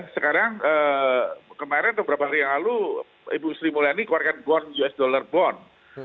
sekarang kemarin atau beberapa hari yang lalu ibu sri mulani kewarganean us dollar bond